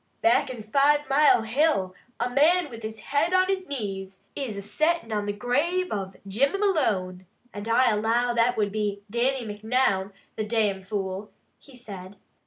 "Back in Five Mile Hill, a man with his head on his knees, is a settin' on the grave of Jimmy Malone, and I allow that would be Dannie Macnoun, the damn fool!" he said.